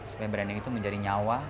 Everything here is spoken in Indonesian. supaya branding itu menjadi nyawa